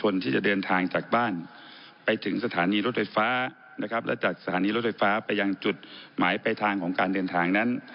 และจากสถานีรถไฟฟ้าไปยังจุดหมายไปทางของการเดินทางนั้น